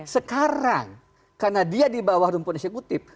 sekarang karena dia di bawah rumput eksekutif